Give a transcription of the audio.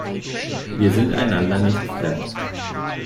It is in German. Wir sind einander nicht fremd.